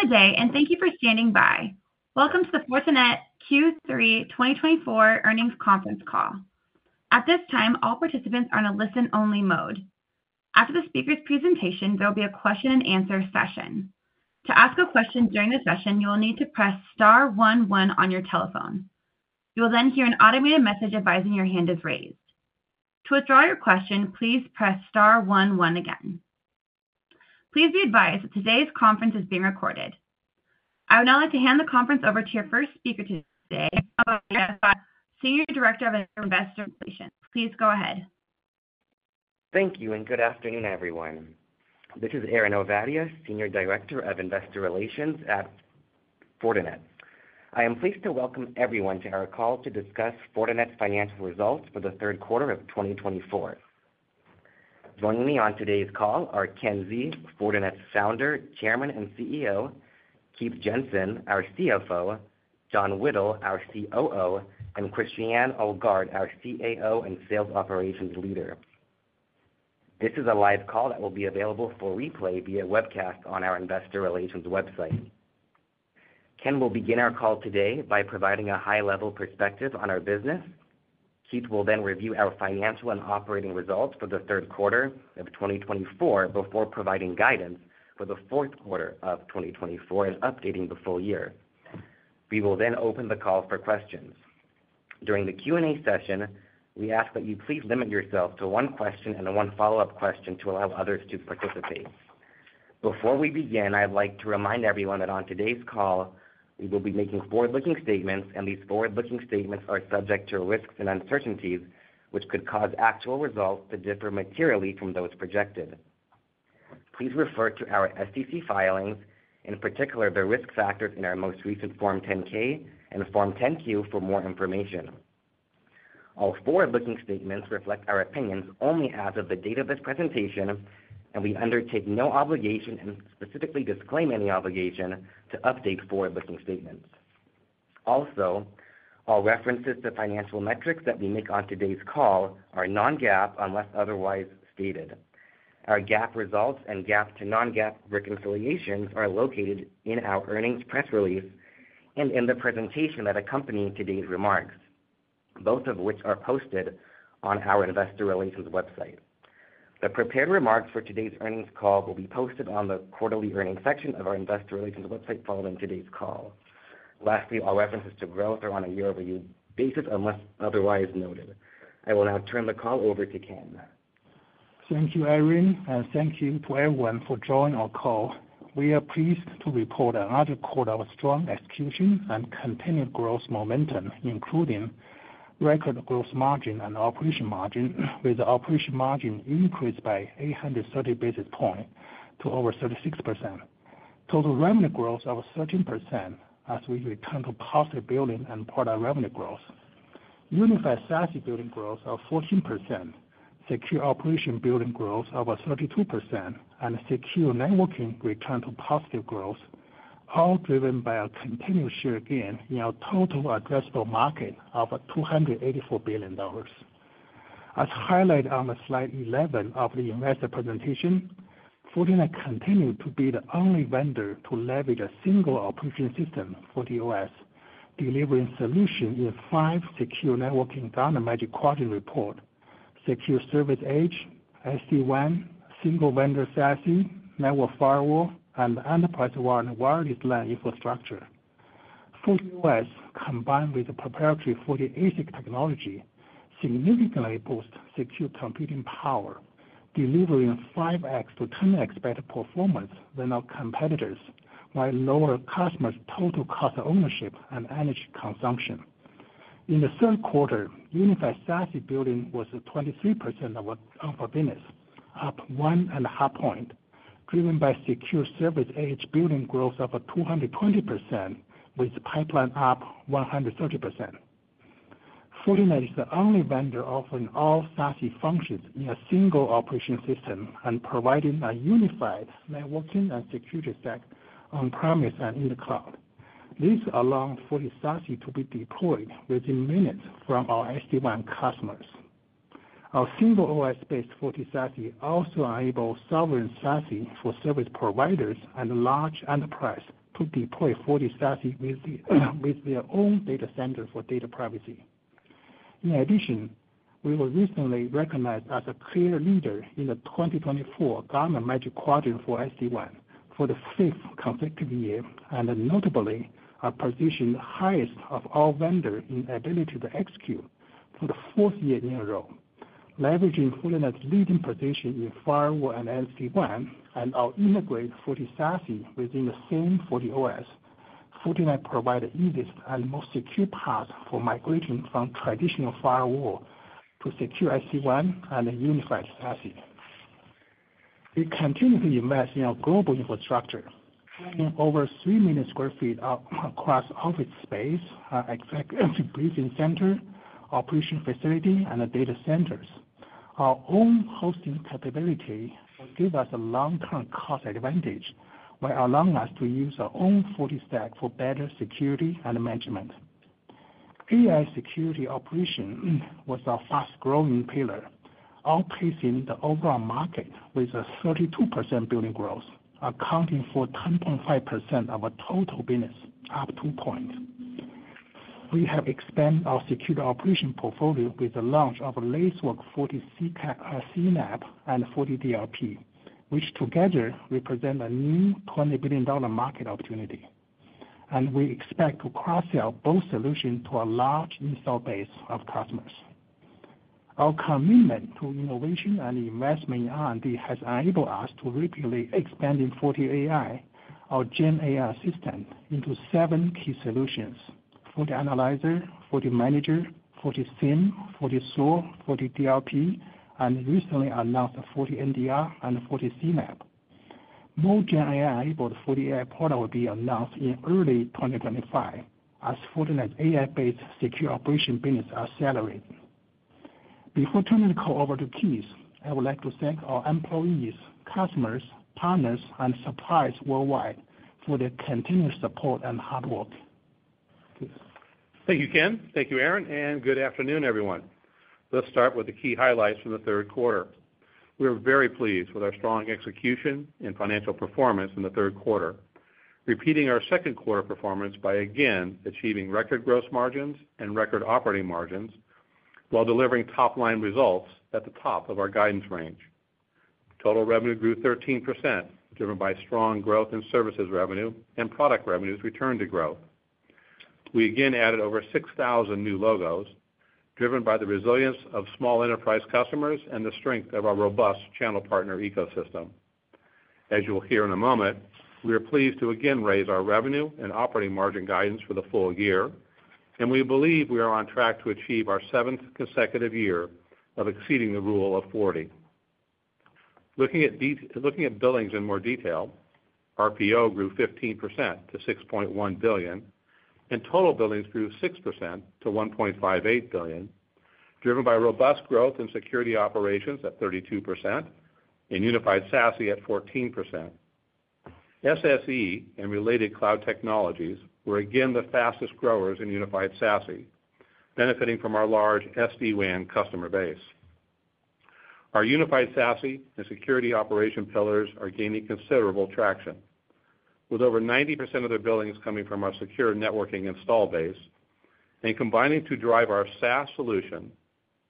Good day, and thank you for standing by. Welcome to the Fortinet Q3 2024 earnings conference call. At this time, all participants are in a listen-only mode. After the speaker's presentation, there will be a question-and-answer session. To ask a question during the session, you will need to press star one one on your telephone. You will then hear an automated message advising your hand is raised. To withdraw your question, please press star one one again. Please be advised that today's conference is being recorded. I would now like to hand the conference over to your first speaker today, Senior Director of Investor Relations. Please go ahead. Thank you, and good afternoon, everyone. This is Aaron Ovadia, Senior Director of Investor Relations at Fortinet. I am pleased to welcome everyone to our call to discuss Fortinet's financial results for the third quarter of 2024. Joining me on today's call are Ken Xie, Fortinet's founder, chairman, and CEO, Keith Jensen, our CFO, John Whittle, our COO, and Christiane Ohlgart, our CAO and Sales Operations Leader. This is a live call that will be available for replay via webcast on our Investor Relations website. Ken will begin our call today by providing a high-level perspective on our business. Keith will then review our financial and operating results for the third quarter of 2024 before providing guidance for the fourth quarter of 2024 and updating the full year. We will then open the call for questions. During the Q&A session, we ask that you please limit yourself to one question and one follow-up question to allow others to participate. Before we begin, I'd like to remind everyone that on today's call, we will be making forward-looking statements, and these forward-looking statements are subject to risks and uncertainties, which could cause actual results to differ materially from those projected. Please refer to our SEC filings, in particular the risk factors in our most recent Form 10-K and Form 10-Q for more information. All forward-looking statements reflect our opinions only as of the date of this presentation, and we undertake no obligation and specifically disclaim any obligation to update forward-looking statements. Also, all references to financial metrics that we make on today's call are non-GAAP unless otherwise stated. Our GAAP results and GAAP to non-GAAP reconciliations are located in our earnings press release and in the presentation that accompanied today's remarks, both of which are posted on our Investor Relations website. The prepared remarks for today's earnings call will be posted on the quarterly earnings section of our Investor Relations website following today's call. Lastly, all references to growth are on a year-over-year basis unless otherwise noted. I will now turn the call over to Ken. Thank you, Aaron, and thank you to everyone for joining our call. We are pleased to report another quarter of strong execution and continued growth momentum, including record gross margin and operating margin, with the operating margin increased by 830 basis points to over 36%. Total revenue growth of 13% as we return to positive billing and product revenue growth. Unified SaaS billing growth of 14%, secure operations billing growth of 32%, and secure networking return to positive growth, all driven by a continued share gain in our total addressable market of $284 billion. As highlighted on slide 11 of the investor presentation, Fortinet continues to be the only vendor to leverage a single operating system FortiOS., delivering solutions in five Gartner Magic Quadrant reports, secure service edge, SD-WAN, single-vendor SASE, network firewall, and enterprise-wide wireless LAN infrastructure. FortiOS, combined with the proprietary FortiASIC technology, significantly boosts secure computing power, delivering 5x to 10x better performance than our competitors while lowering customers' total cost of ownership and energy consumption. In the third quarter, Unified SASE billings was 23% of our business, up one and a half points, driven by SSE billings growth of 220%, with pipeline up 130%. Fortinet is the only vendor offering all SASE functions in a single operating system and providing a unified networking and security stack on-premises and in the cloud. This allowed Fortinet SASE to be deployed within minutes to our SD-WAN customers. Our single OS-based Fortinet SASE also enables Sovereign SASE for service providers and large enterprises to deploy Fortinet SASE with their own data center for data privacy. In addition, we were recently recognized as a clear leader in the 2024 Gartner Magic Quadrant for SD-WAN for the fifth consecutive year, and notably, our position is the highest of all vendors in ability to execute for the fourth year in a row. Leveraging Fortinet's leading position in firewall and SD-WAN and our integrated Fortinet SASE within the same FortiOS, Fortinet provided the easiest and most secure path for migration from traditional firewall to secure SD-WAN and Unified SASE. We continue to invest in our global infrastructure, spanning over three million sq ft across office space, executive briefing center, operation facility, and data centers. Our own hosting capability will give us a long-term cost advantage while allowing us to use our own Fortinet stack for better security and management. AI security operations was our fast-growing pillar, outpacing the overall market with a 32% billings growth, accounting for 10.5% of our total business, up two points. We have expanded our security operations portfolio with the launch of a Lacework FortiCNAPP and FortiDRP, which together represent a new $20 billion market opportunity, and we expect to cross-sell both solutions to a large install base of customers. Our commitment to innovation and investment in R&D has enabled us to rapidly expand FortiAI, our GenAI system, into seven key solutions: FortiAnalyzer, FortiManager, FortiSIEM, FortiSOAR, FortiDRP, and recently announced FortiNDR and FortiCNAPP. More GenAI-enabled FortiAI products will be announced in early 2025 as Fortinet's AI-based secure operations business accelerates. Before turning the call over to Keith, I would like to thank our employees, customers, partners, and suppliers worldwide for their continued support and hard work. Keith. Thank you, Ken. Thank you, Aaron, and good afternoon, everyone. Let's start with the key highlights from the third quarter. We are very pleased with our strong execution and financial performance in the third quarter, repeating our second quarter performance by again achieving record gross margins and record operating margins while delivering top-line results at the top of our guidance range. Total revenue grew 13%, driven by strong growth in services revenue and product revenues returned to growth. We again added over 6,000 new logos, driven by the resilience of small enterprise customers and the strength of our robust channel partner ecosystem. As you will hear in a moment, we are pleased to again raise our revenue and operating margin guidance for the full year, and we believe we are on track to achieve our seventh consecutive year of exceeding the Rule of 40. Looking at billings in more detail, RPO grew 15% to $6.1 billion, and total billings grew 6% to $1.58 billion, driven by robust growth in security operations at 32% and Unified SASE at 14%. SSE and related cloud technologies were again the fastest growers in Unified SASE, benefiting from our large SD-WAN customer base. Our Unified SASE and security operation pillars are gaining considerable traction, with over 90% of their billings coming from our secure networking installed base and combining to drive our SaaS solution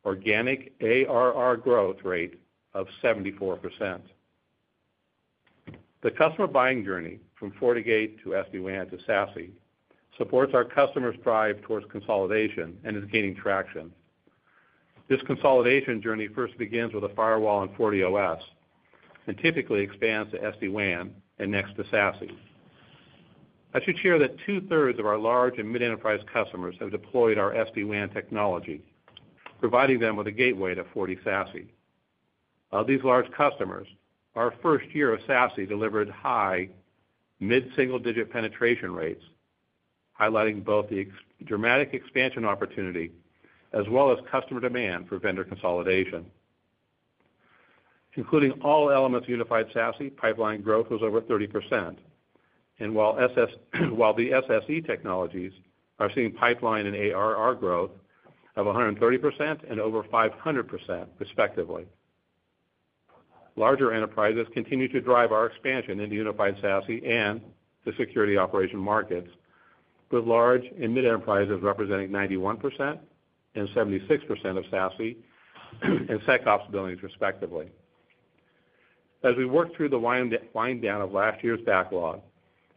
organic ARR growth rate of 74%. The customer buying journey from FortiGate to SD-WAN to SASE supports our customers' drive towards consolidation and is gaining traction. This consolidation journey first begins with a firewall and FortiOS and typically expands to SD-WAN and next to SASE. I should share that two-thirds of our large and mid-enterprise customers have deployed our SD-WAN technology, providing them with a gateway to Fortinet SASE. Of these large customers, our first year of SASE delivered high mid-single-digit penetration rates, highlighting both the dramatic expansion opportunity as well as customer demand for vendor consolidation. Including all elements of Unified SASE, pipeline growth was over 30%, and while the SSE technologies are seeing pipeline and ARR growth of 130% and over 500%, respectively. Larger enterprises continue to drive our expansion into Unified SASE and the security operation markets, with large and mid-enterprises representing 91% and 76% of SASE and SecOps billings, respectively. As we work through the wind-down of last year's backlog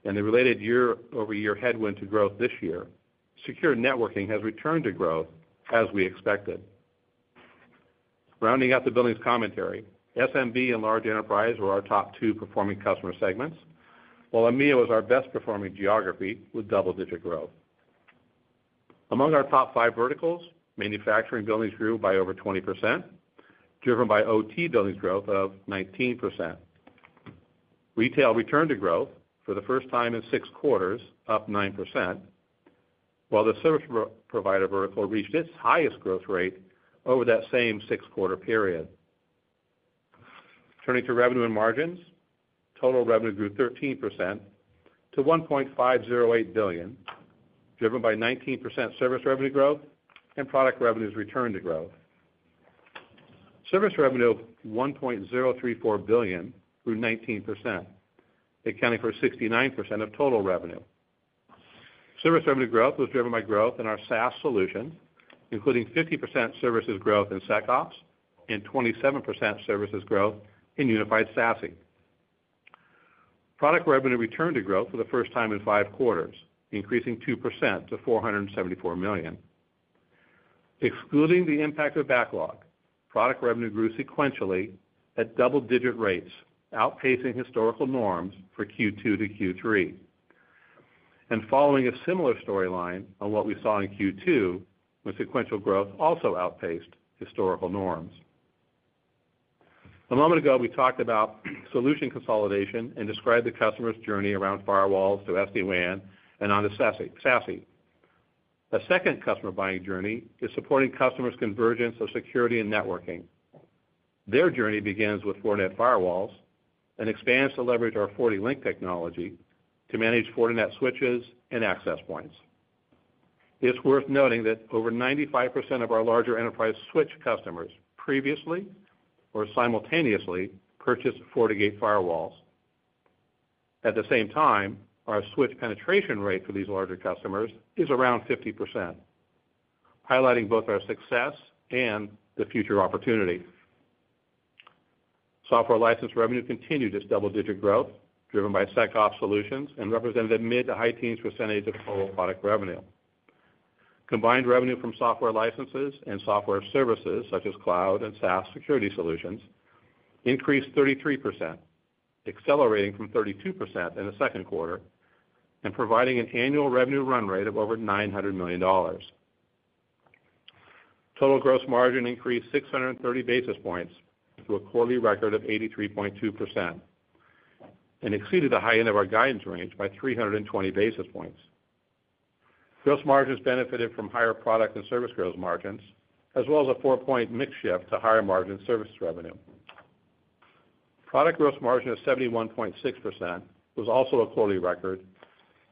and the related year-over-year headwind to growth this year, secure networking has returned to growth as we expected. Rounding out the billings commentary, SMB and large enterprise were our top two performing customer segments, while EMEA was our best-performing geography with double-digit growth. Among our top five verticals, manufacturing billings grew by over 20%, driven by OT billings growth of 19%. Retail returned to growth for the first time in six quarters, up 9%, while the service provider vertical reached its highest growth rate over that same six-quarter period. Turning to revenue and margins, total revenue grew 13% to $1.508 billion, driven by 19% service revenue growth and product revenues returned to growth. Service revenue of $1.034 billion grew 19%, accounting for 69% of total revenue. Service revenue growth was driven by growth in our SaaS solutions, including 50% services growth in SecOps and 27% services growth in Unified SASE. Product revenue returned to growth for the first time in five quarters, increasing 2% to $474 million. Excluding the impact of backlog, product revenue grew sequentially at double-digit rates, outpacing historical norms for Q2 to Q3, and following a similar storyline on what we saw in Q2, when sequential growth also outpaced historical norms. A moment ago, we talked about solution consolidation and described the customer's journey around firewalls to SD-WAN and onto SASE. A second customer buying journey is supporting customers' convergence of security and networking. Their journey begins with FortiGate firewalls and expands to leverage our FortiLink technology to manage Fortinet switches and access points. It's worth noting that over 95% of our larger enterprise switch customers previously or simultaneously purchased FortiGate firewalls. At the same time, our switch penetration rate for these larger customers is around 50%, highlighting both our success and the future opportunity. Software license revenue continued its double-digit growth, driven by SecOps solutions and represented a mid to high-teens percentage of total product revenue. Combined revenue from software licenses and software services, such as cloud and SaaS security solutions, increased 33%, accelerating from 32% in the second quarter and providing an annual revenue run rate of over $900 million. Total gross margin increased 630 basis points to a quarterly record of 83.2% and exceeded the high end of our guidance range by 320 basis points. Gross margins benefited from higher product and service gross margins, as well as a four-point mix shift to higher margin service revenue. Product gross margin of 71.6% was also a quarterly record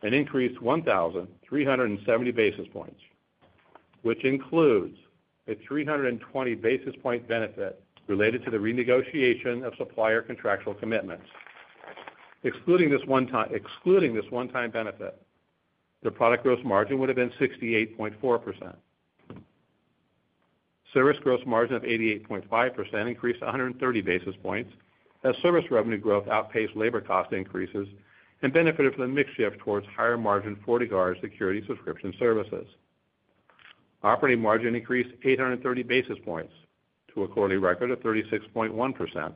and increased 1,370 basis points, which includes a 320 basis point benefit related to the renegotiation of supplier contractual commitments. Excluding this one-time benefit, the product gross margin would have been 68.4%. Service gross margin of 88.5% increased 130 basis points as service revenue growth outpaced labor cost increases and benefited from the mix shift towards higher margin FortiGuard security subscription services. Operating margin increased 830 basis points to a quarterly record of 36.1%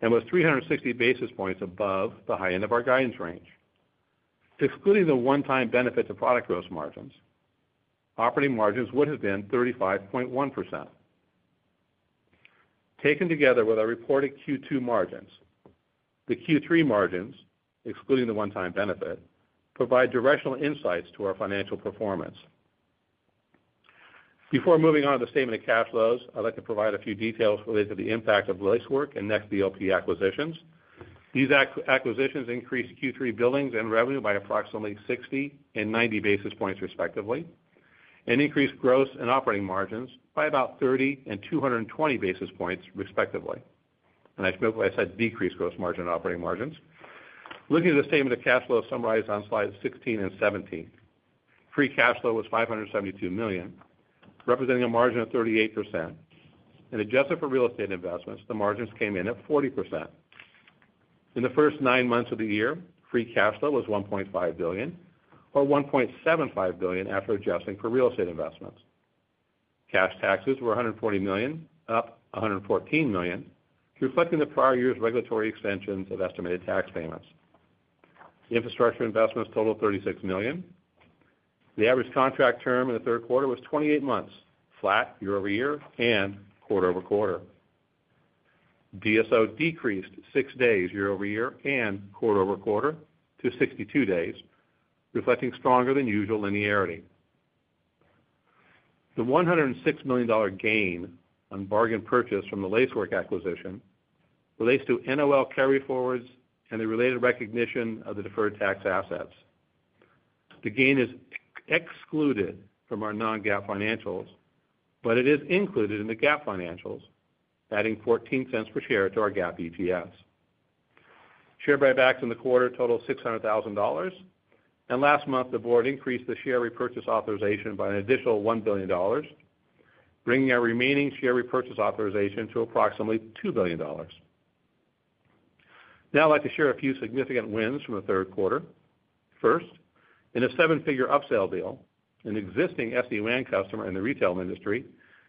and was 360 basis points above the high end of our guidance range. Excluding the one-time benefit to product gross margins, operating margins would have been 35.1%. Taken together with our reported Q2 margins, the Q3 margins, excluding the one-time benefit, provide directional insights to our financial performance. Before moving on to the statement of cash flows, I'd like to provide a few details related to the impact of Lacework and Next DLP acquisitions. These acquisitions increased Q3 billings and revenue by approximately 60 and 90 basis points, respectively, and increased gross and operating margins by about 30 and 220 basis points, respectively. I spoke when I said decreased gross margin and operating margins. Looking at the statement of cash flows summarized on slides 16 and 17, free cash flow was $572 million, representing a margin of 38%. Adjusted for real estate investments, the margins came in at 40%. In the first nine months of the year, free cash flow was $1.5 billion, or $1.75 billion after adjusting for real estate investments. Cash taxes were $140 million, up $114 million, reflecting the prior year's regulatory extensions of estimated tax payments. Infrastructure investments totaled $36 million. The average contract term in the third quarter was 28 months, flat year-over-year and quarter-over-quarter. DSO decreased 6 days year-over-year and quarter-over-quarter to 62 days, reflecting stronger than usual linearity. The $106 million gain on bargain purchase from the Lacework acquisition relates to NOL carryforwards and the related recognition of the deferred tax assets. The gain is excluded from our non-GAAP financials, but it is included in the GAAP financials, adding $0.14 per share to our GAAP EPS. Share buybacks in the quarter totaled $600,000, and last month, the board increased the share repurchase authorization by an additional $1 billion, bringing our remaining share repurchase authorization to approximately $2 billion. Now, I'd like to share a few significant wins from the third quarter. First, in a seven-figure upsell deal, an existing SD-WAN customer in the retail industry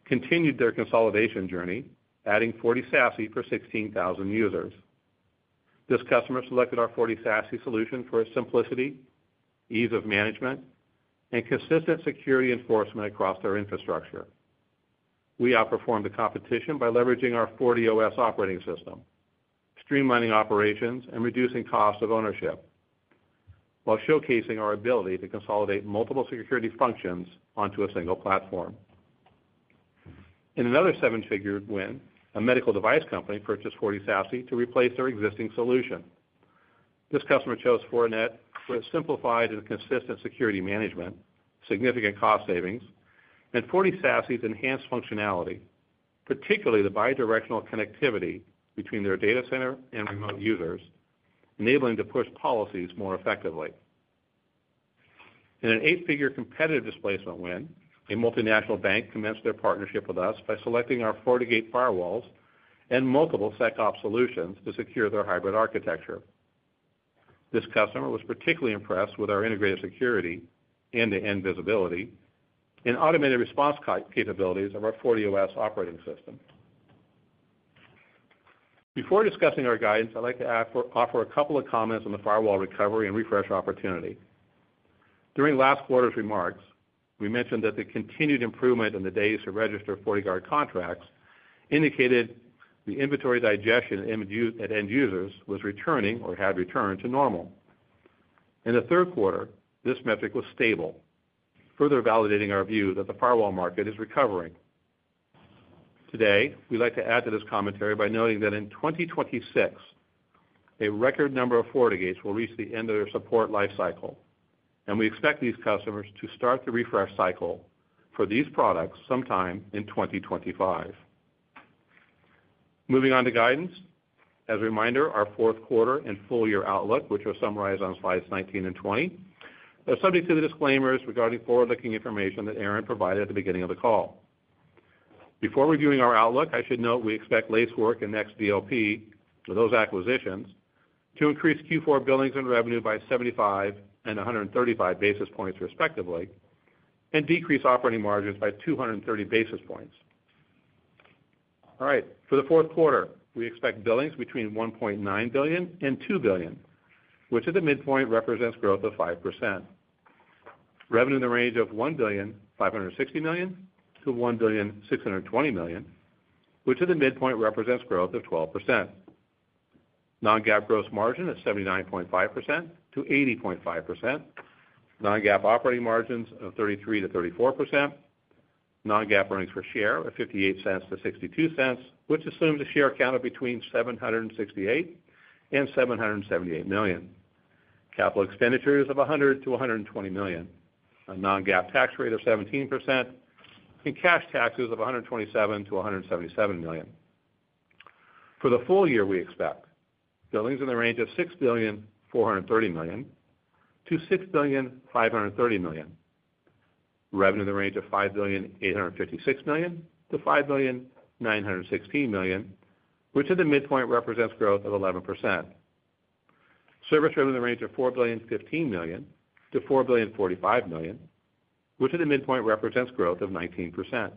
continued their consolidation journey, adding Fortinet SASE for 16,000 users. This customer selected our Fortinet SASE solution for its simplicity, ease of management, and consistent security enforcement across their infrastructure. We outperformed the competition by leveraging our FortiOS operating system, streamlining operations, and reducing cost of ownership, while showcasing our ability to consolidate multiple security functions onto a single platform. In another seven-figure win, a medical device company purchased Fortinet SASE to replace their existing solution. This customer chose Fortinet for its simplified and consistent security management, significant cost savings, and Fortinet SASE's enhanced functionality, particularly the bidirectional connectivity between their data center and remote users, enabling them to push policies more effectively. In an eight-figure competitive displacement win, a multinational bank commenced their partnership with us by selecting our FortiGate Firewalls and multiple SecOps solutions to secure their hybrid architecture. This customer was particularly impressed with our integrated security end-to-end visibility and automated response capabilities of our FortiOS operating system. Before discussing our guidance, I'd like to offer a couple of comments on the firewall recovery and refresh opportunity. During last quarter's remarks, we mentioned that the continued improvement in the days to register FortiGuard contracts indicated the inventory digestion at end users was returning or had returned to normal. In the third quarter, this metric was stable, further validating our view that the firewall market is recovering. Today, we'd like to add to this commentary by noting that in 2026, a record number of FortiGate will reach the end of their support life cycle, and we expect these customers to start the refresh cycle for these products sometime in 2025. Moving on to guidance, as a reminder, our fourth quarter and full year outlook, which are summarized on slides 19 and 20, are subject to the disclaimers regarding forward-looking information that Aaron provided at the beginning of the call. Before reviewing our outlook, I should note we expect Lacework and Next DLP, or those acquisitions, to increase Q4 billings and revenue by 75 and 135 basis points, respectively, and decrease operating margins by 230 basis points. All right. For the fourth quarter, we expect billings between $1.9 billion and $2 billion, which at the midpoint represents growth of 5%. Revenue in the range of $1,560 million-$1,620 million, which at the midpoint represents growth of 12%. Non-GAAP gross margin is 79.5%-80.5%. Non-GAAP operating margins of 33%-34%. Non-GAAP earnings per share are $0.58-$0.62, which assumes a share count of between 768 million and 778 million. Capital expenditures of $100 million-$120 million, a non-GAAP tax rate of 17%, and cash taxes of $127 million-$177 million. For the full year, we expect billings in the range of $6,430 million-$6,530 million. Revenue in the range of $5,856 million-$5,916 million, which at the midpoint represents growth of 11%. Service revenue in the range of $4,015 million-$4,045 million, which at the midpoint represents growth of 19%.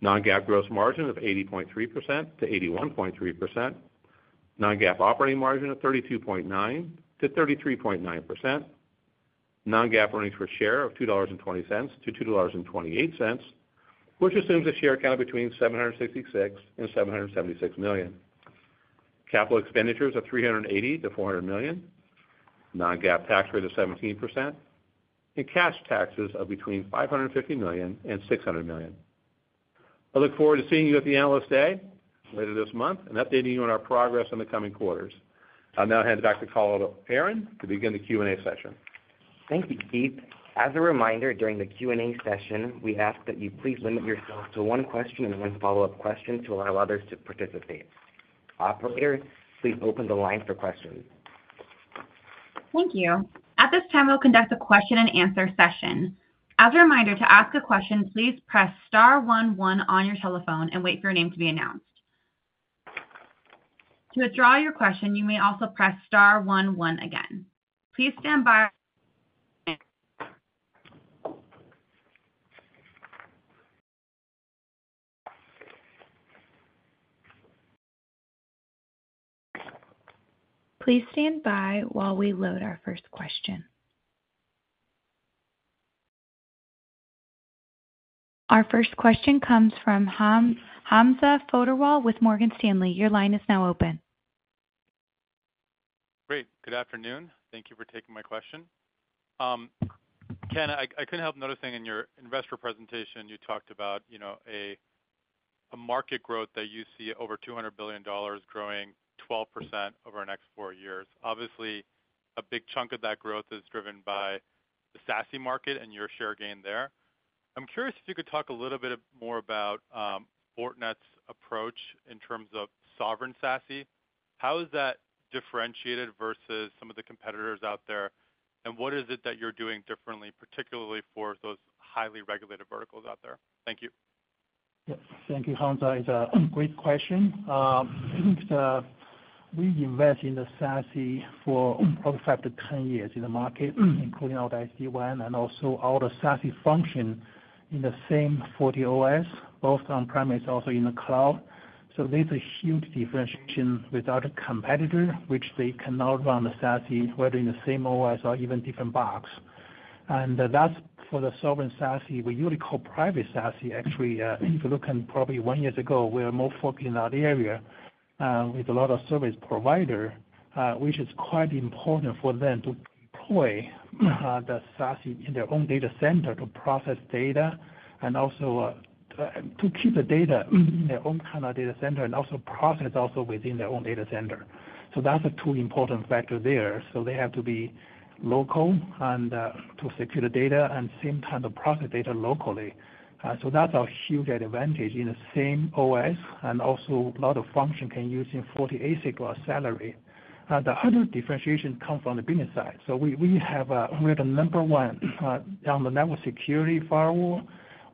Non-GAAP gross margin of 80.3%-81.3%. Non-GAAP operating margin of 32.9%-33.9%. Non-GAAP earnings per share of $2.20-$2.28, which assumes a share count of between 766 and 776 million. Capital expenditures of $380 million-$400 million. Non-GAAP tax rate of 17% and cash taxes of between $550 million and $600 million. I look forward to seeing you at the analyst day later this month and updating you on our progress in the coming quarters. I'll now hand it back to Aaron to begin the Q&A session. Thank you, Keith. As a reminder, during the Q&A session, we ask that you please limit yourself to one question and one follow-up question to allow others to participate. Operator, please open the line for questions. Thank you. At this time, we'll conduct a question-and-answer session. As a reminder, to ask a question, please press star one one on your telephone and wait for your name to be announced. To withdraw your question, you may also press star one one again. Please stand by. Please stand by while we load our first question. Our first question comes from Hamza Fodderwala with Morgan Stanley. Your line is now open. Great. Good afternoon. Thank you for taking my question. Ken, I couldn't help noticing in your investor presentation, you talked about a market growth that you see over $200 billion growing 12% over our next four years. Obviously, a big chunk of that growth is driven by the SASE market and your share gain there. I'm curious if you could talk a little bit more about Fortinet's approach in terms of Sovereign SASE. How is that differentiated versus some of the competitors out there, and what is it that you're doing differently, particularly for those highly regulated verticals out there? Thank you. Yes. Thank you, Hamza. It's a great question. We invest in the SASE for 5-10 years in the market, including all the SD-WAN and also all the SASE functions in the same FortiOS, both on-premise, also in the cloud. So there's a huge differentiation with other competitors, which they cannot run the SASE, whether in the same OS or even different box and that's for the Sovereign SASE. We usually call private SASE. Actually, if you look at probably one year ago, we were more focused in that area with a lot of service providers, which is quite important for them to deploy the SASE in their own data center to process data and also to keep the data in their own kind of data center and also process also within their own data center. So that's a two important factor there. So they have to be local to secure the data and, at the same time, to process data locally. So that's a huge advantage in the same OS and also a lot of functions can use in FortiASIC or SASE. The other differentiation comes from the business side. So we have a number one on the network security firewall.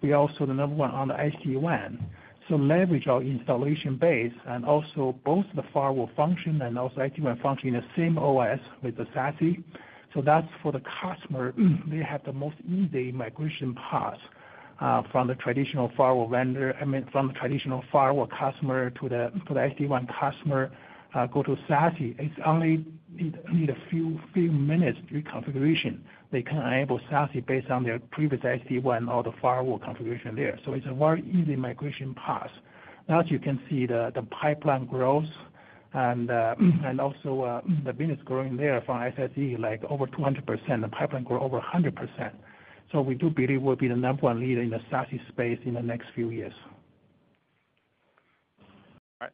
We are also the number one on the SD-WAN. So leverage our installed base and also both the firewall function and also SD-WAN function in the same OS with the SASE. So that's for the customer. They have the most easy migration path from the traditional firewall vendor, I mean, from the traditional firewall customer to the SD-WAN customer, go to SASE. It's only a few minutes reconfiguration. They can enable SASE based on their previous SD-WAN or the firewall configuration there. So it's a very easy migration path. As you can see, the pipeline grows and also the business growing there from SSE, like over 200%. The pipeline grew over 100%. So we do believe we'll be the number one leader in the SASE space in the next few years. All right.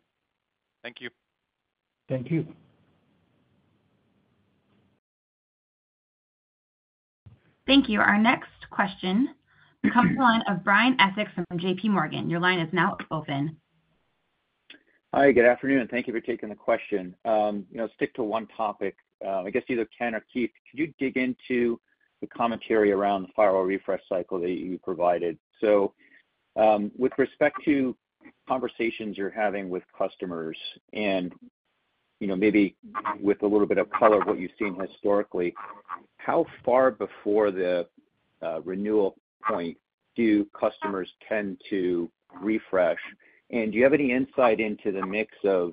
Thank you. Thank you. Thank you. Our next question comes from Brian Essex from JPMorgan. Your line is now open. Hi. Good afternoon. Thank you for taking the question. Stick to one topic. I guess either Ken or Keith, could you dig into the commentary around the firewall refresh cycle that you provided? So with respect to conversations you're having with customers and maybe with a little bit of color of what you've seen historically, how far before the renewal point do customers tend to refresh? Do you have any insight into the mix of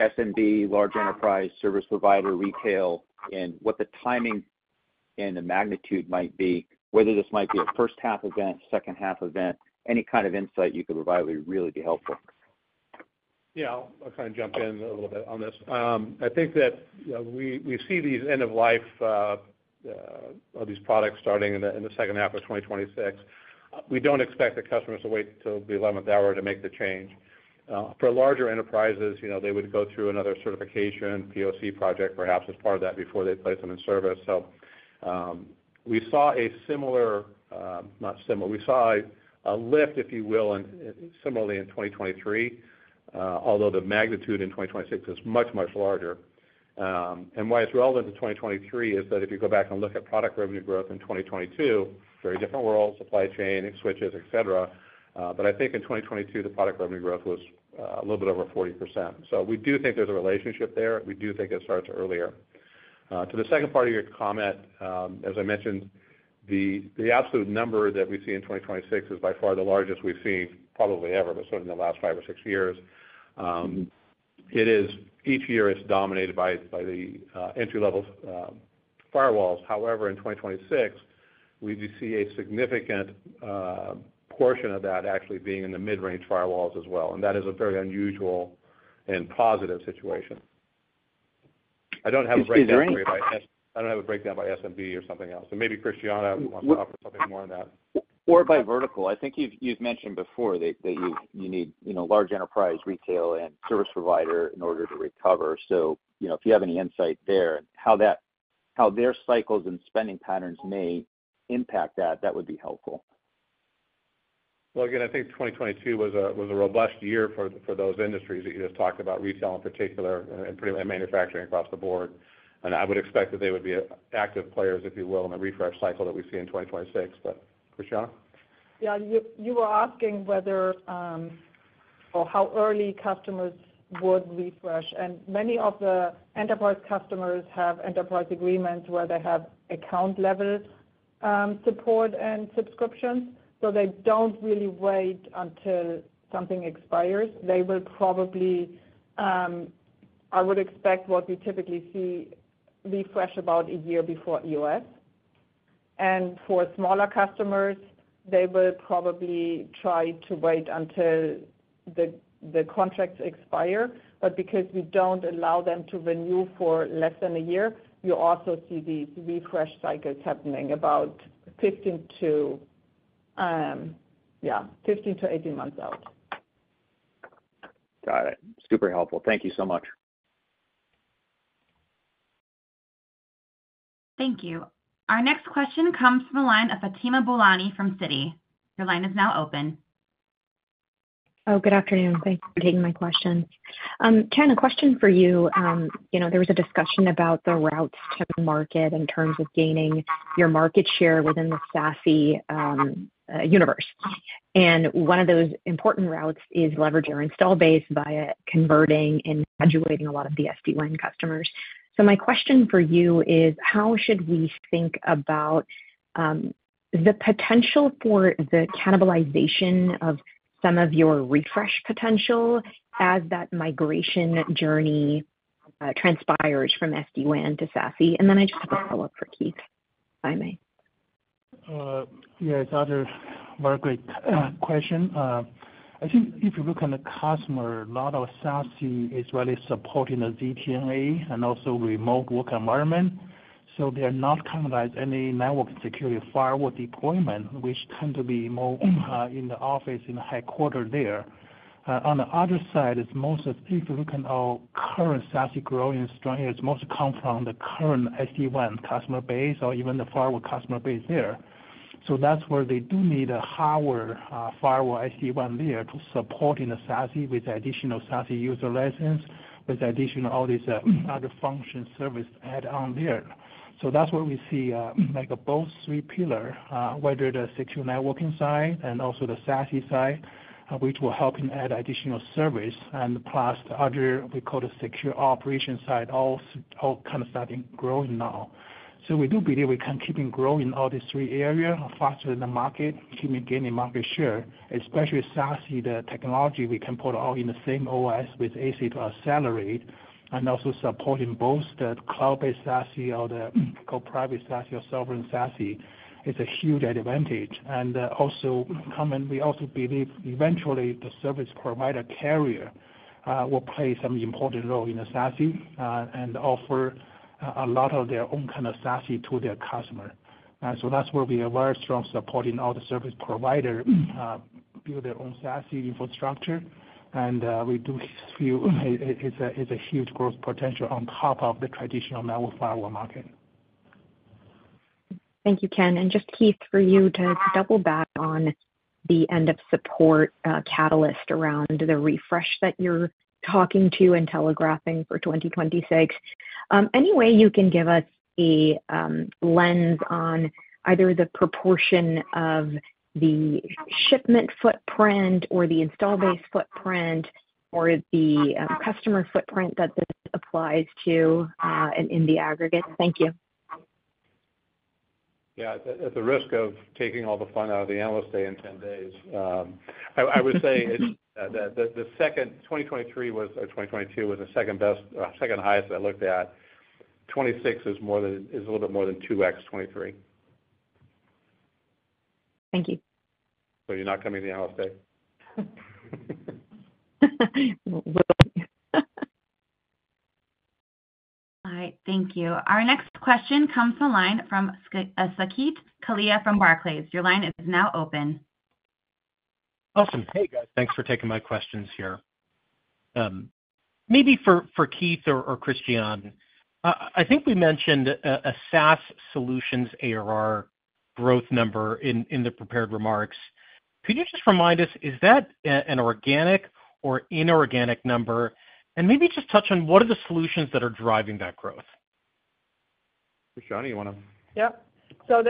SMB, large enterprise, service provider, retail, and what the timing and the magnitude might be, whether this might be a first-half event, second-half event, any kind of insight you could provide would really be helpful. Yeah. I'll kind of jump in a little bit on this. I think that we see these end-of-life of these products starting in the second half of 2026. We don't expect the customers to wait till the 11th hour to make the change. For larger enterprises, they would go through another certification, POC project, perhaps as part of that before they place them in service. So we saw a similar—not similar. We saw a lift, if you will, similarly in 2023, although the magnitude in 2026 is much, much larger and why it's relevant to 2023 is that if you go back and look at product revenue growth in 2022, very different world, supply chain, switches, etc. But I think in 2022, the product revenue growth was a little bit over 40%. So we do think there's a relationship there. We do think it starts earlier. To the second part of your comment, as I mentioned, the absolute number that we see in 2026 is by far the largest we've seen probably ever, but certainly in the last five or six years. Each year, it's dominated by the entry-level firewalls. However, in 2026, we do see a significant portion of that actually being in the mid-range firewalls as well and that is a very unusual and positive situation. I don't have a breakdown by SMB or something else. Maybe Christiane wants to offer something more on that. Or by vertical. I think you've mentioned before that you need large enterprise, retail, and service provider in order to recover. So if you have any insight there and how their cycles and spending patterns may impact that, that would be helpful. Well, again, I think 2022 was a robust year for those industries that you just talked about, retail in particular, and pretty much manufacturing across the board. And I would expect that they would be active players, if you will, in the refresh cycle that we see in 2026. But Christiane? Yeah. You were asking whether or how early customers would refresh and many of the enterprise customers have enterprise agreements where they have account-level support and subscriptions. So they don't really wait until something expires. They will probably. I would expect what we typically see refresh about a year before EOS. For smaller customers, they will probably try to wait until the contracts expire. But because we don't allow them to renew for less than a year, you also see these refresh cycles happening about 15 to 18 months out. Got it. Super helpful. Thank you so much. Thank you. Our next question comes from a line of Fatima Boolani from Citi. Your line is now open. Oh, good afternoon. Thanks for taking my question. Ken, a question for you. There was a discussion about the routes to market in terms of gaining your market share within the SASE universe and one of those important routes is leverage your install base via converting and graduating a lot of the SD-WAN customers. So my question for you is, how should we think about the potential for the cannibalization of some of your refresh potential as that migration journey transpires from SD-WAN to SASE? Then I just have a follow-up for Keith, if I may. Yeah. It's another very good question. I think if you look at the customer, a lot of SASE is really supporting the ZTNA and also remote work environment. So they're not cannibalizing any network security firewall deployment, which tends to be more in the office in the headquarters there. On the other side, it's mostly if you're looking at our current SASE growing strength, it's mostly come from the current SD-WAN customer base or even the firewall customer base there. So that's where they do need a hardware firewall SD-WAN there to support in the SASE with the additional SASE user license, with additional all these other function service add-on there. So that's where we see both three pillars, whether the secure networking side and also the SASE side, which will help in adding additional service. Plus, the other we call the secure operation side, all kind of starting growing now. So, we do believe we can keep on growing all these three areas faster than the market, keeping gaining market share, especially SASE, the technology we can put all in the same OS with ASIC or security, and also supporting both the cloud-based SASE or the private SASE or Sovereign SASE is a huge advantage. Also, we also believe eventually the service provider carrier will play some important role in the SASE and offer a lot of their own kind of SASE to their customer. So, that's where we are very strong supporting all the service providers build their own SASE infrastructure and, we do feel it's a huge growth potential on top of the traditional network firewall market. Thank you, Ken and just Keith, for you to double back on the end-of-support catalyst around the refresh that you're talking to and telegraphing for 2026. Any way you can give us a lens on either the proportion of the shipment footprint or the installed-base footprint or the customer footprint that this applies to in the aggregate? Thank you. Yeah. At the risk of taking all the fun out of the analyst day in 10 days, I would say that Q2 2023 was or Q2 2022 was the second highest I looked at. 2026 is a little bit more than 2X 2023. Thank you. So you're not coming to the Analyst Day? Will be. All right. Thank you. Our next question comes from the line of Saket Kalia from Barclays. Your line is now open. Awesome. Hey, guys. Thanks for taking my questions here. Maybe for Keith or Christiane, I think we mentioned a SASE Solutions ARR growth number in the prepared remarks. Could you just remind us, is that an organic or inorganic number and maybe just touch on what are the solutions that are driving that growth? Christiane, you want to? Yeah. So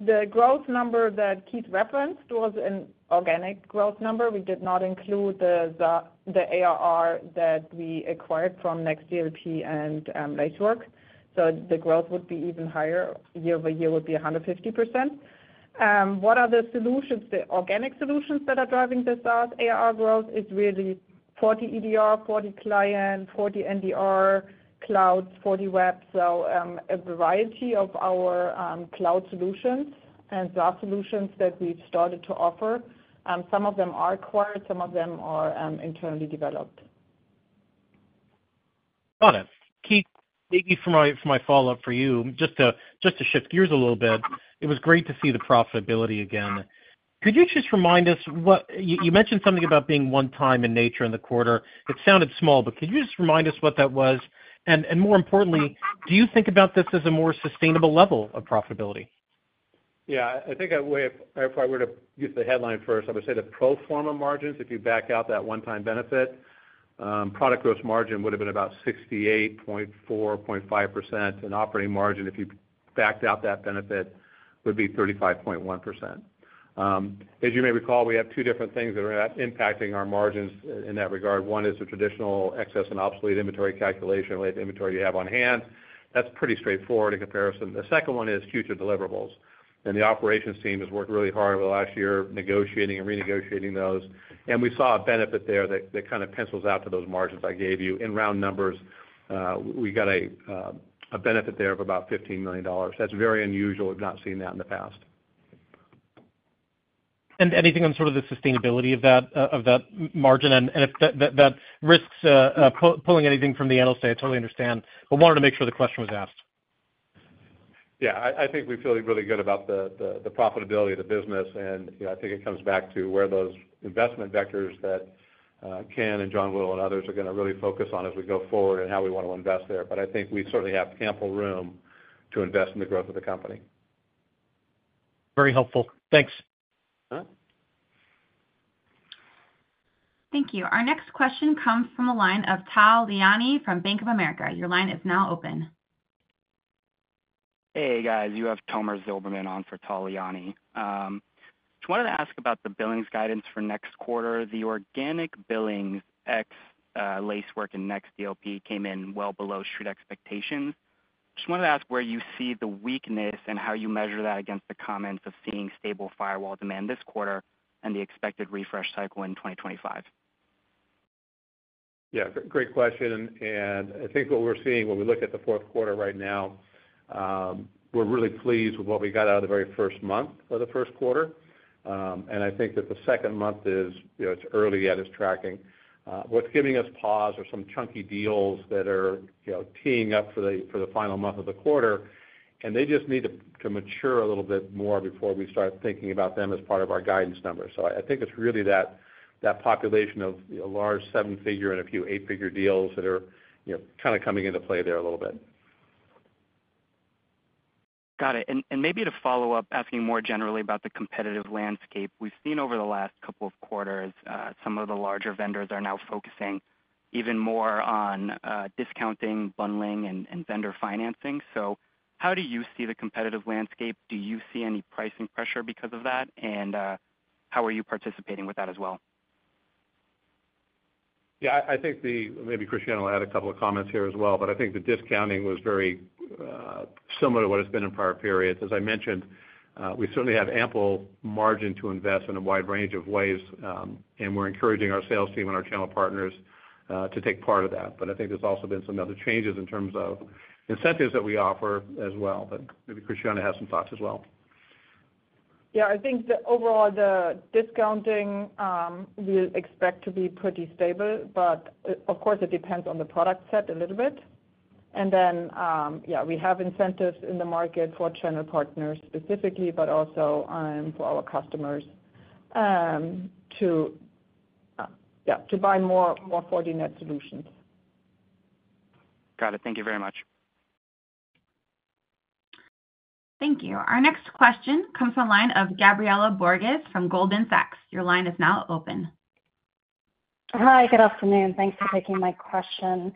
the growth number that Keith referenced was an organic growth number. We did not include the ARR that we acquired from Next DLP and Lacework. So the growth would be even higher. Year-over-year would be 150%. What are the solutions, the organic solutions that are driving the SASE ARR growth is really FortiEDR, FortiClient, FortiNDR, cloud, FortiWeb. So a variety of our cloud solutions and SASE solutions that we've started to offer. Some of them are acquired. Some of them are internally developed. Got it. Keith, maybe for my follow-up for you, just to shift gears a little bit, it was great to see the profitability again. Could you just remind us what you mentioned something about being one-time in nature in the quarter? It sounded small, but could you just remind us what that was? More importantly, do you think about this as a more sustainable level of profitability? Yeah. I think if I were to use the headline first, I would say the pro forma margins, if you back out that one-time benefit, product gross margin would have been about 68.45%, and operating margin, if you backed out that benefit, would be 35.1%. As you may recall, we have two different things that are impacting our margins in that regard. One is the traditional excess and obsolete inventory calculation with inventory you have on hand. That's pretty straightforward in comparison. The second one is future deliverables, and the operations team has worked really hard over the last year negotiating and renegotiating those, and we saw a benefit there that kind of pencils out to those margins I gave you. In round numbers, we got a benefit there of about $15 million. That's very unusual. We've not seen that in the past. Anything on sort of the sustainability of that margin? If that risks pulling anything from the analyst day, I totally understand. But wanted to make sure the question was asked. Yeah. I think we feel really good about the profitability of the business, and I think it comes back to where those investment vectors that Ken and John Whittle and others are going to really focus on as we go forward and how we want to invest there. But I think we certainly have ample room to invest in the growth of the company. Very helpful. Thanks. All right. Thank you. Our next question comes from a line of Tal Liani from Bank of America. Your line is now open. Hey, guys. You have Tomer Zilberman on for Tal Liani. Just wanted to ask about the billings guidance for next quarter. The organic billings X, Lacework, and Next DLP came in well below street expectations. Just wanted to ask where you see the weakness and how you measure that against the comments of seeing stable firewall demand this quarter and the expected refresh cycle in 2025? Yeah. Great question. I think what we're seeing when we look at the fourth quarter right now, we're really pleased with what we got out of the very first month of the first quarter and I think that the second month is early yet is tracking. What's giving us pause are some chunky deals that are teeing up for the final month of the quarter. They just need to mature a little bit more before we start thinking about them as part of our guidance numbers. So I think it's really that population of a large seven-figure and a few eight-figure deals that are kind of coming into play there a little bit. Got it. Maybe to follow up, asking more generally about the competitive landscape. We've seen over the last couple of quarters, some of the larger vendors are now focusing even more on discounting, bundling, and vendor financing. So how do you see the competitive landscape? Do you see any pricing pressure because of that and how are you participating with that as well? Yeah. I think maybe Christiane will add a couple of comments here as well. But I think the discounting was very similar to what it's been in prior periods. As I mentioned, we certainly have ample margin to invest in a wide range of ways and we're encouraging our sales team and our channel partners to take part of that. But I think there's also been some other changes in terms of incentives that we offer as well. But maybe Christiane has some thoughts as well. Yeah. I think overall, the discounting, we expect to be pretty stable, but of course, it depends on the product set a little bit, and then, yeah, we have incentives in the market for channel partners specifically, but also for our customers to buy more Fortinet solutions. Got it. Thank you very much. Thank you. Our next question comes from a line of Gabriela Borges from Goldman Sachs. Your line is now open. Hi. Good afternoon. Thanks for taking my question.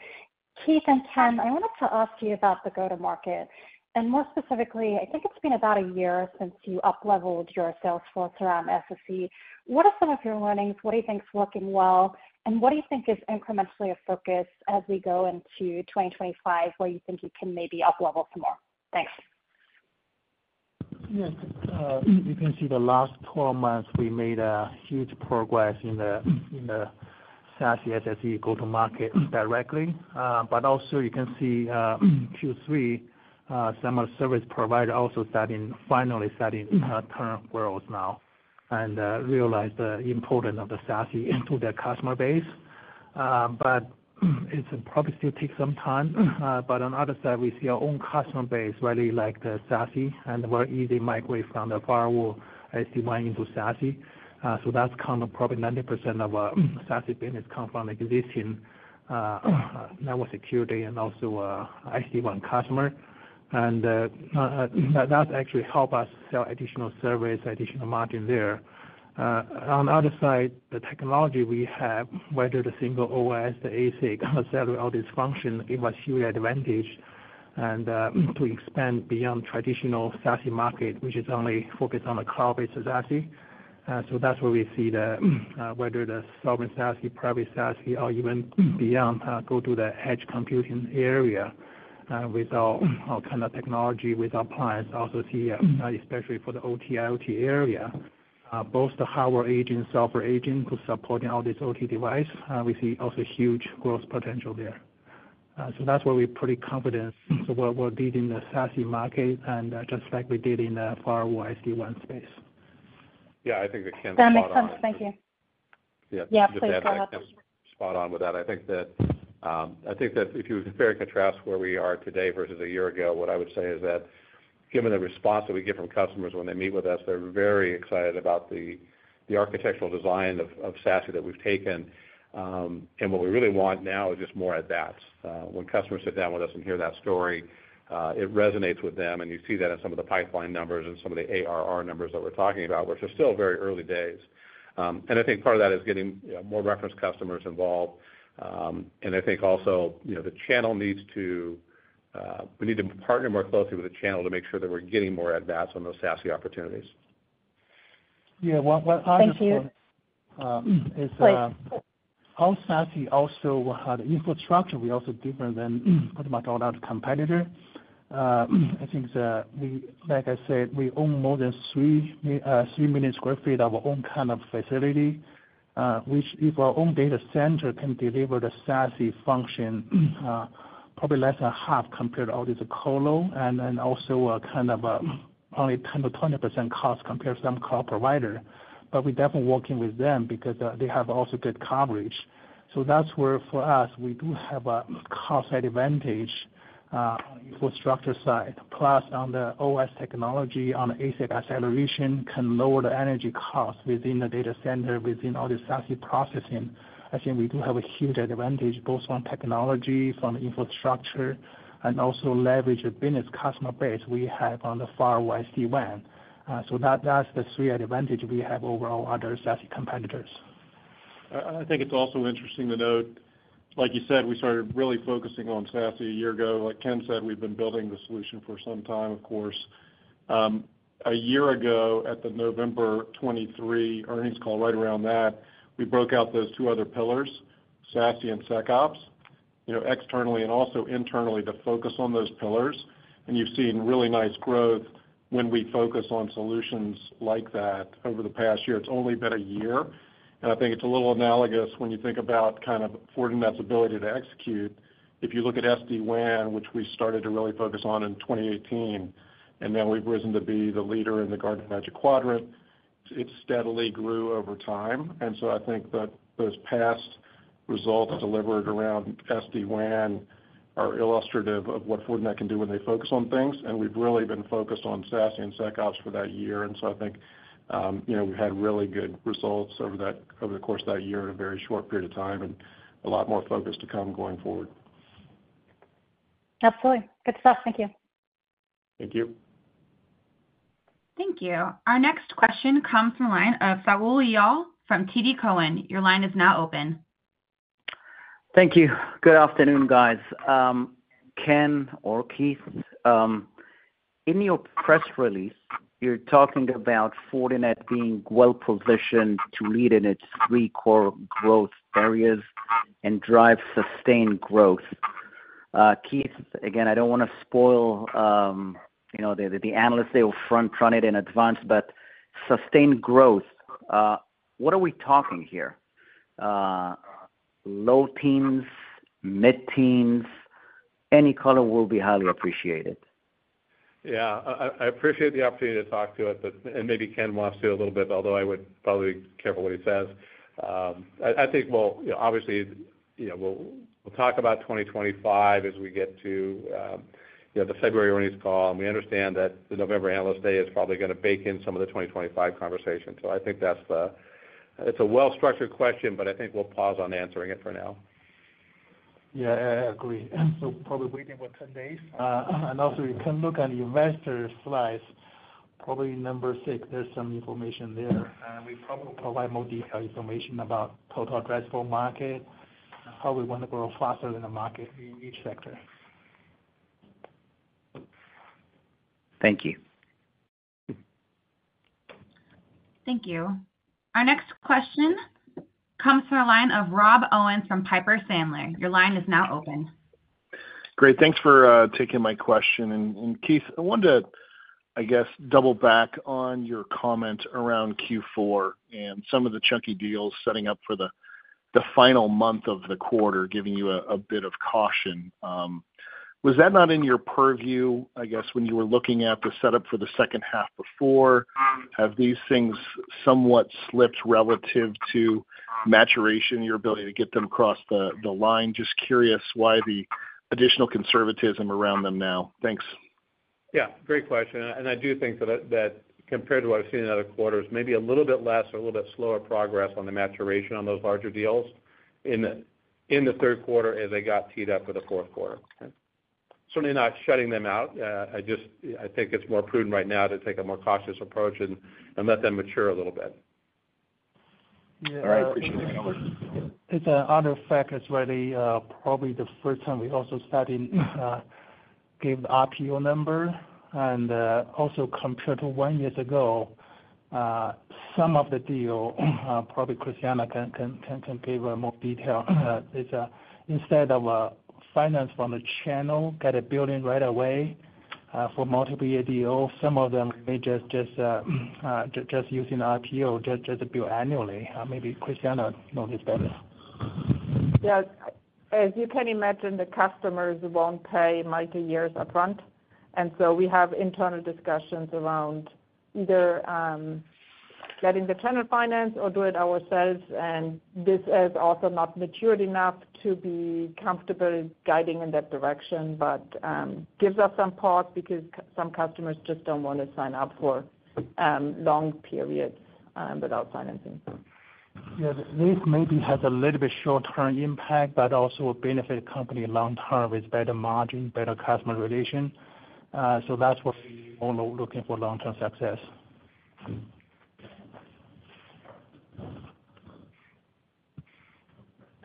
Keith and Ken, I wanted to ask you about the go-to-market and more specifically, I think it's been about a year since you upleveled your sales force around SSE. What are some of your learnings? What do you think is working well and what do you think is incrementally a focus as we go into 2025 where you think you can maybe uplevel some more? Thanks. Yeah. You can see the last 12 months, we made a huge progress in the SASE SSE go-to-market directly, but also you can see Q3, some of the service providers also finally setting terms with us now and realized the importance of the SASE into their customer base, but it probably still takes some time, but on the other side, we see our own customer base really like the SASE and the very easy migration from the firewall SD-WAN into SASE. So that's come to probably 90% of our SASE business come from existing network security and also SD-WAN customer, and that actually helped us sell additional service, additional margin there. On the other side, the technology we have, whether the single OS, the ASIC, security, all these functions give us huge advantage to expand beyond traditional SASE market, which is only focused on the cloud-based SASE. So that's where we see whether the Sovereign SASE, private SASE, or even beyond go to the edge computing area with all kind of technology with our clients also here, especially for the OT/IoT area. Both the hardware agent, software agent to supporting all these OT devices, we see also huge growth potential there. So that's where we're pretty confident. So we're leading the SASE market and just like we did in the firewall SD-WAN space. Yeah. I think that Ken's got it. That makes sense. Thank you. Please go ahead. Yeah. I think that's spot on with that. I think that if you compare and contrast where we are today versus a year ago, what I would say is that given the response that we get from customers when they meet with us, they're very excited about the architectural design of SASE that we've taken. What we really want now is just more at bats. When customers sit down with us and hear that story, it resonates with them and you see that in some of the pipeline numbers and some of the ARR numbers that we're talking about, which are still very early days. I think part of that is getting more reference customers involved. I think also we need to partner more closely with the channel to make sure that we're getting more at-bats on those SASE opportunities. Yeah. What I just wanted to say is all SASE also had infrastructure. We're also different than pretty much all our competitors. I think, like I said, we own more than three million sq ft of our own kind of facility, which if our own data center can deliver the SASE function, probably less than half compared to all these colo and then also kind of only 10%-20% cost compared to some cloud provider. But we're definitely working with them because they have also good coverage. So that's where for us, we do have a cost advantage on the infrastructure side. Plus, on the OS technology, on the ASIC acceleration can lower the energy cost within the data center, within all the SASE processing. I think we do have a huge advantage both on technology, from the infrastructure, and also leverage a business customer base we have on the firewall SD-WAN. So that's the three advantages we have over all other SASE competitors. I think it's also interesting to note, like you said, we started really focusing on SASE a year ago. Like Ken said, we've been building the solution for some time, of course. A year ago, at the November 2023 earnings call, right around that, we broke out those two other pillars, SASE and SecOps, externally and also internally to focus on those pillars. You've seen really nice growth when we focus on solutions like that over the past year. It's only been a year, and I think it's a little analogous when you think about kind of Fortinet's ability to execute. If you look at SD-WAN, which we started to really focus on in 2018, and now we've risen to be the leader in the Gartner Magic Quadrant, it steadily grew over time. So I think that those past results delivered around SD-WAN are illustrative of what Fortinet can do when they focus on things and we've really been focused on SASE and SecOps for that year. So I think we've had really good results over the course of that year in a very short period of time and a lot more focus to come going forward. Absolutely. Good stuff. Thank you. Thank you. Thank you. Our next question comes from a line of Shaul Eyal from TD Cowen. Your line is now open. Thank you. Good afternoon, guys. Ken or Keith, in your press release, you're talking about Fortinet being well-positioned to lead in its three core growth areas and drive sustained growth. Keith, again, I don't want to spoil the analysts. They will front-run it in advance. But sustained growth, what are we talking here? Low teens, mid-teens, any color will be highly appreciated. Yeah. I appreciate the opportunity to talk to it. Maybe Ken wants to a little bit, although I would probably be careful what he says. I think, well, obviously, we'll talk about 2025 as we get to the February earnings call. We understand that the November analyst day is probably going to bake in some of the 2025 conversation. I think it's a well-structured question, but I think we'll pause on answering it for now. Yeah. I agree. So probably waiting for 10 days. Also, you can look at the investor slide, probably number six. There's some information there and we probably will provide more detailed information about total addressable market, how we want to grow faster in the market in each sector. Thank you. Thank you. Our next question comes from a line of Rob Owens from Piper Sandler. Your line is now open. Great. Thanks for taking my question. Keith, I wanted to, I guess, double back on your comment around Q4 and some of the chunky deals setting up for the final month of the quarter, giving you a bit of caution. Was that not in your purview, I guess, when you were looking at the setup for the second half before? Have these things somewhat slipped relative to maturation, your ability to get them across the line? Just curious why the additional conservatism around them now. Thanks. Yeah. Great question. I do think that compared to what I've seen in other quarters, maybe a little bit less or a little bit slower progress on the maturation on those larger deals in the third quarter as they got teed up for the fourth quarter. Certainly not shutting them out. I think it's more prudent right now to take a more cautious approach and let them mature a little bit. Yeah. All right. Appreciate it, guys. It's an honor, in fact. It's really probably the first time we also starting give the RPO number. Also compared to one year ago, some of the deals, probably Christiane can give more detail. Instead of financing from the channel, get a billing right away for multiple-year deals, some of them may just using RPO, just bill annually. Maybe Christiane knows this better. Yeah. As you can imagine, the customers won't pay multi-years upfront. So we have internal discussions around either letting the channel finance or do it ourselves and this is also not matured enough to be comfortable guiding in that direction, but gives us some pause because some customers just don't want to sign up for long periods without financing. Yeah. This maybe has a little bit short-term impact, but also will benefit the company long-term with better margin, better customer relation. So that's what we're all looking for: long-term success.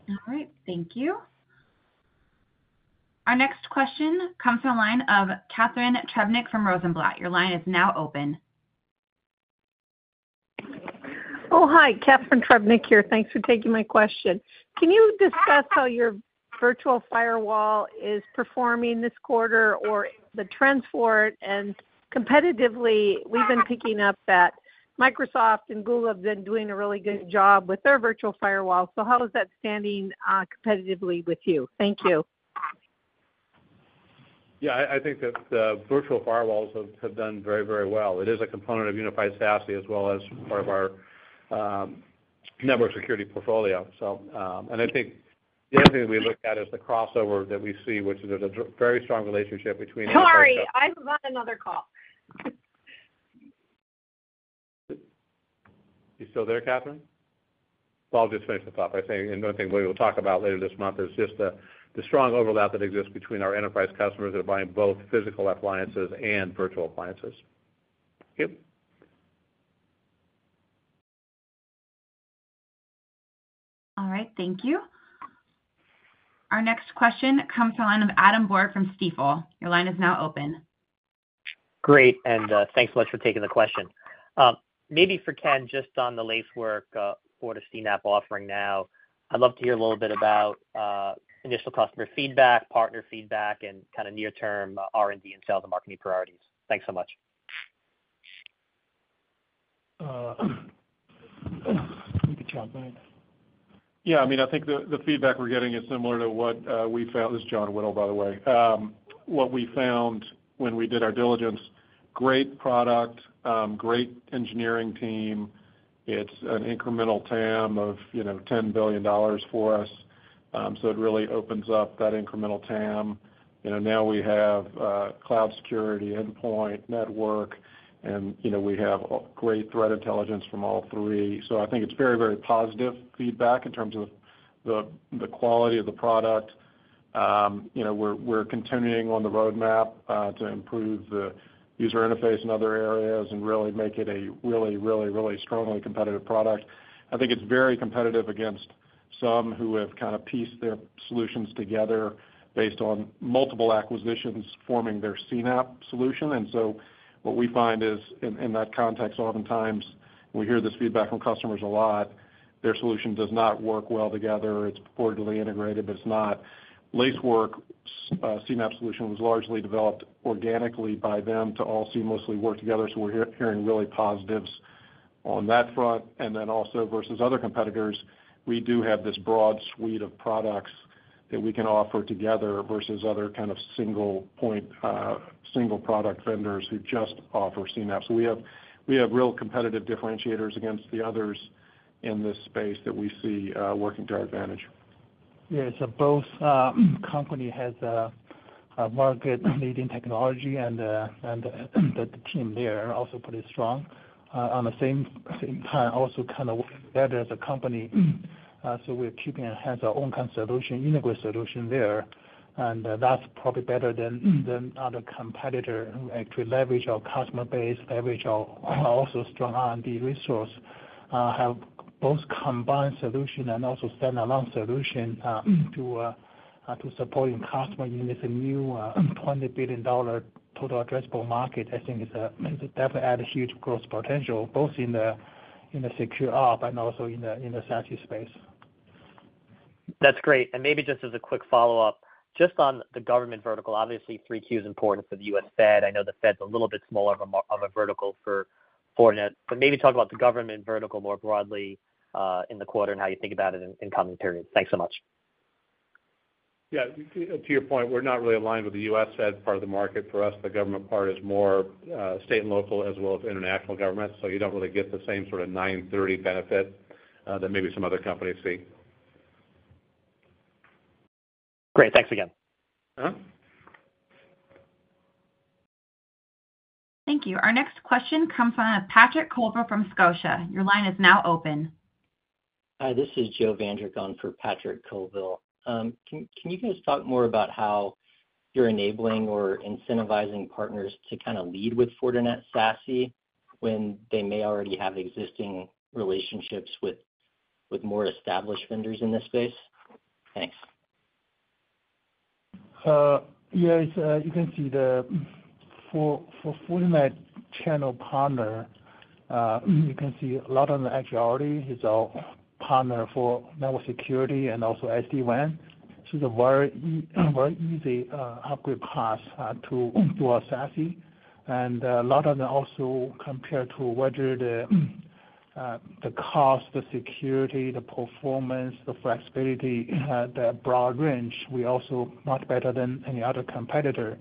All right. Thank you. Our next question comes from a line of Catharine Trebnick from Rosenblatt. Your line is now open. Oh, hi. Catharine Trebnick here. Thanks for taking my question. Can you discuss how your virtual firewall is performing this quarter or the trends for it? Competitively, we've been picking up that Microsoft and Google have been doing a really good job with their virtual firewall. So how is that standing competitively with you? Thank you. Yeah. I think that the virtual firewalls have done very, very well. It is a component of Unified SASE as well as part of our network security portfolio and I think the other thing that we looked at is the crossover that we see, which is a very strong relationship between the- Tory, I'm on another call. You still there, Catherine? Well, I'll just finish this up. I think one thing we will talk about later this month is just the strong overlap that exists between our enterprise customers that are buying both physical appliances and virtual appliances. Yep. All right. Thank you. Our next question comes from a line of Adam Borg from Stifel. Your line is now open. Great. Thanks so much for taking the question. Maybe for Ken, just on the latest work for the CNAPP offering now, I'd love to hear a little bit about initial customer feedback, partner feedback, and kind of near-term R&D and sales and marketing priorities. Thanks so much. Good job, man. Yeah. I mean, I think the feedback we're getting is similar to what we found. This is John Whittle, by the way. What we found when we did our diligence: great product, great engineering team. It's an incremental TAM of $10 billion for us. So it really opens up that incremental TAM. Now we have cloud security, endpoint, network, and we have great threat intelligence from all three. So I think it's very, very positive feedback in terms of the quality of the product. We're continuing on the roadmap to improve the user interface in other areas and really make it a really, really, really strongly competitive product. I think it's very competitive against some who have kind of pieced their solutions together based on multiple acquisitions forming their CNAPP solution. So what we find is, in that context, oftentimes, we hear this feedback from customers a lot: their solution does not work well together. It's poorly integrated, but it's not. Lacework CNAPP solution was largely developed organically by them to all seamlessly work together. So we're hearing really positives on that front. Then also versus other competitors, we do have this broad suite of products that we can offer together versus other kind of single product vendors who just offer CNAPP. So we have real competitive differentiators against the others in this space that we see working to our advantage. Yeah. So both companies have a market-leading technology, and the team there are also pretty strong. At the same time, also kind of better as a company. So we're keeping our own kind of solution, integrated solution there. That's probably better than other competitors who actually leverage our customer base, leverage our also strong R&D resource, have both combined solution and also stand-alone solution to supporting customers in this new $20 billion total addressable market. I think it's definitely added huge growth potential, both in the SecOps and also in the SASE space. That's great. Maybe just as a quick follow-up, just on the government vertical, obviously, 3Q is important for the U.S. Fed. I know the Fed's a little bit smaller of a vertical for Fortinet. But maybe talk about the government vertical more broadly in the quarter and how you think about it in coming periods. Thanks so much. Yeah. To your point, we're not really aligned with the U.S. Fed part of the market. For us, the government part is more state and local as well as international government. So you don't really get the same sort of 9:30 A.M. benefit that maybe some other companies see. Great. Thanks again. Thank you. Our next question comes from Patrick Colville from Scotia. Your line is now open. Hi. This is Joe Vandragon for Patrick Colville. Can you guys talk more about how you're enabling or incentivizing partners to kind of lead with Fortinet SASE when they may already have existing relationships with more established vendors in this space? Thanks. Yeah. You can see the Fortinet channel partner. You can see a lot of the actuality is our partner for network security and also SD-WAN. So it's a very easy upgrade path to our SASE, and a lot of them also compare to whether the cost, the security, the performance, the flexibility, the broad range; we also much better than any other competitor.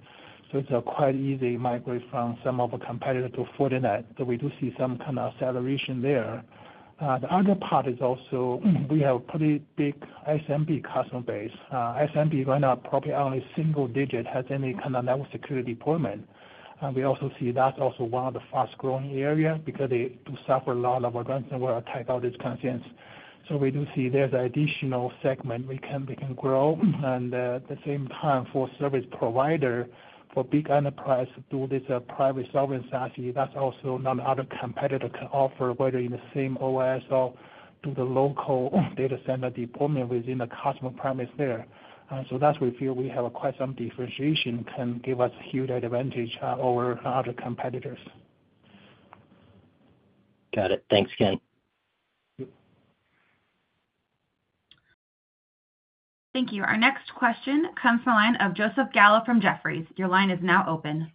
So it's a quite easy migration from some of our competitors to Fortinet, so we do see some kind of acceleration there. The other part is also we have a pretty big SMB customer base. SMB right now probably only single digit has any kind of network security deployment. We also see that's also one of the fast-growing areas because they do suffer a lot of advanced network attack, all these kind of things, so we do see there's an additional segment we can grow. At the same time, for service provider, for big enterprise to do this private Sovereign SASE, that's also none other competitor can offer, whether in the same OS or do the local data center deployment within the customer premises there. That's where we feel we have quite some differentiation can give us huge advantage over other competitors. Got it. Thanks, Ken. Thank you. Our next question comes from a line of Joseph Gallo from Jefferies. Your line is now open.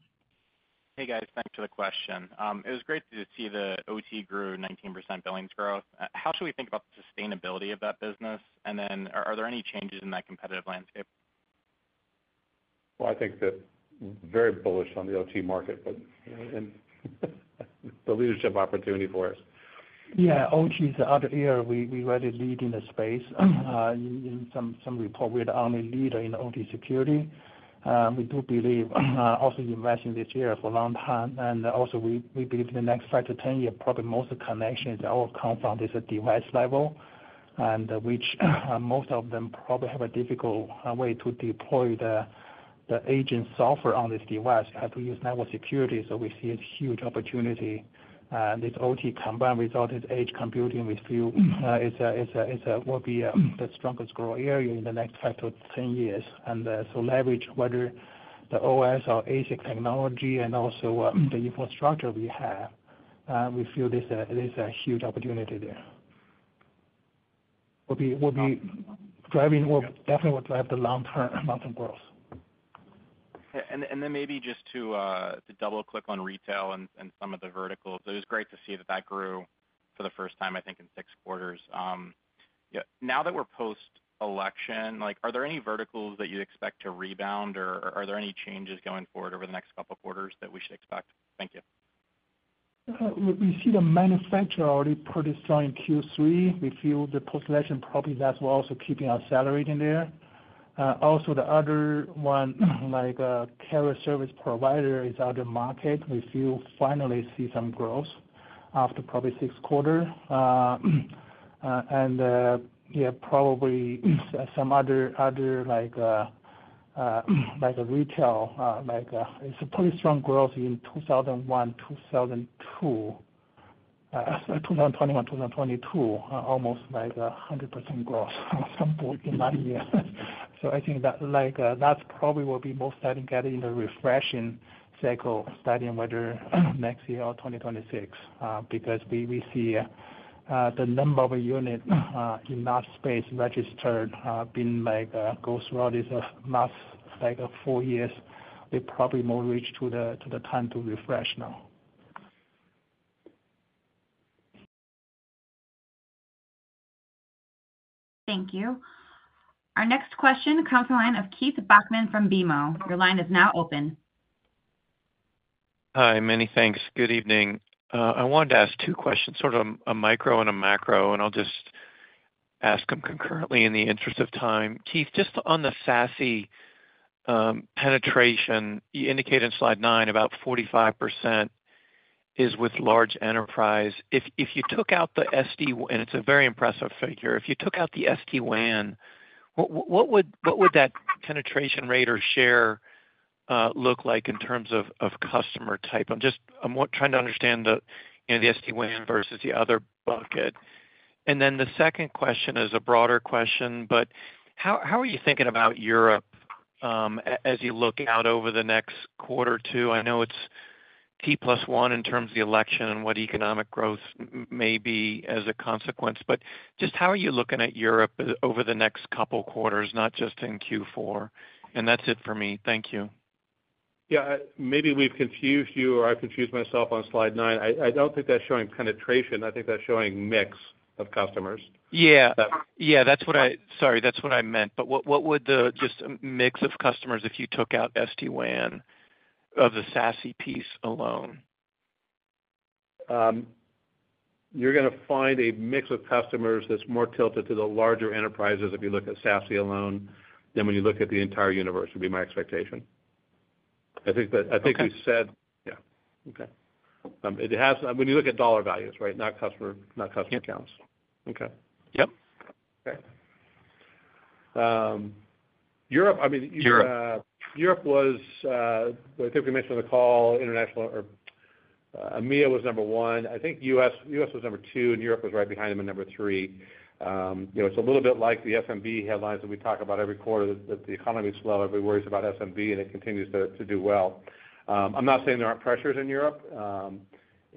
Hey, guys. Thanks for the question. It was great to see the OT grew 19% billings growth. How should we think about the sustainability of that business? Then are there any changes in that competitive landscape? I think we're very bullish on the OT market, but the leadership opportunity for us. Yeah. OT is the other area we really lead in the space. In some report, we're the only leader in OT security. We also believe in investing this year for a long time. Also we believe in the next 5-10 years, probably most of the connections that will come from this device level, and which most of them probably have a difficult way to deploy the agent software on this device. You have to use network security. So we see a huge opportunity. This OT combined results in edge computing. We feel it will be the strongest growth area in the next 5-10 years. So, leveraging with our OS and ASIC technology and also the infrastructure we have. We feel there's a huge opportunity there. We'll be driving or definitely will drive the long-term growth. Then maybe just to double-click on retail and some of the verticals, it was great to see that that grew for the first time, I think, in six quarters. Now that we're post-election, are there any verticals that you expect to rebound, or are there any changes going forward over the next couple of quarters that we should expect? Thank you. We see the manufacturing already pretty strong in Q3. We feel the post-election probably that's also keeping accelerating there. Also, the other one, like carrier service provider, is out of the market. We feel finally see some growth after probably six quarters. Yeah, probably some other retail, it's a pretty strong growth in 2001, 2002, 2021, 2022, almost like 100% growth in that year. So I think that's probably will be most starting getting the refreshing cycle, starting whether next year or 2026, because we see the number of units in that space registered been goes through all these last four years. They probably more reach to the time to refresh now. Thank you. Our next question comes from a line of Keith Bachman from BMO. Your line is now open. Hi. Many thanks. Good evening. I wanted to ask two questions, sort of a micro and a macro, and I'll just ask them concurrently in the interest of time. Keith, just on the SASE penetration, you indicate in slide nine about 45% is with large enterprise. If you took out the SD, and it's a very impressive figure. If you took out the SD-WAN, what would that penetration rate or share look like in terms of customer type? I'm just trying to understand the SD-WAN versus the other bucket. Then the second question is a broader question, but how are you thinking about Europe as you look out over the next quarter or two? I know it's T+1 in terms of the election and what economic growth may be as a consequence, but just how are you looking at Europe over the next couple of quarters, not just in Q4? That's it for me. Thank you. Yeah. Maybe we've confused you or I've confused myself on slide nine. I don't think that's showing penetration. I think that's showing mix of customers. Yeah. Sorry. That's what I meant. But what would the just mix of customers if you took out SD-WAN of the SASE piece alone? You're going to find a mix of customers that's more tilted to the larger enterprises if you look at SASE alone than when you look at the entire universe, would be my expectation. I think you said yeah. Okay. When you look at dollar values, right? Not customer accounts. Yep. Okay. Okay. Europe, I mean, Europe was, I think we mentioned on the call, international or EMEA was number one. I think U.S. was number two, and Europe was right behind them at number three. It's a little bit like the SMB headlines that we talk about every quarter, that the economy is slow, everybody worries about SMB, and it continues to do well. I'm not saying there aren't pressures in Europe,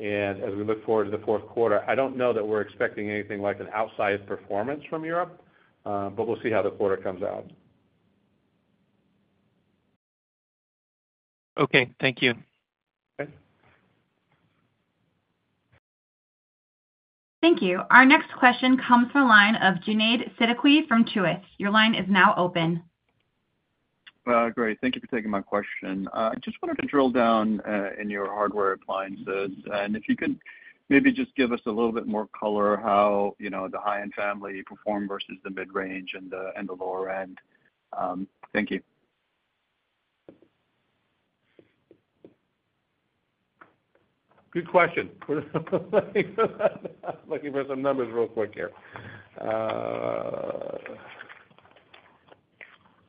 and as we look forward to the fourth quarter, I don't know that we're expecting anything like an outsized performance from Europe, but we'll see how the quarter comes out. Okay. Thank you. Okay. Thank you. Our next question comes from a line of Junaid Siddiqui from Truist. Your line is now open. Great. Thank you for taking my question. I just wanted to drill down in your hardware appliances, and if you could maybe just give us a little bit more color how the high-end family perform versus the mid-range and the lower end. Thank you. Good question. I'm looking for some numbers real quick here.